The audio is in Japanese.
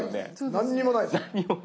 何にもないです。